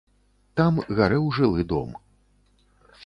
Там гарэў жылы дом.